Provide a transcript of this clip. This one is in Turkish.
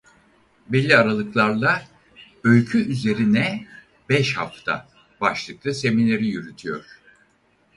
Belli aralıklarla "Öykü Üzerine beş Hafta" başlıklı semineri yürütüyor.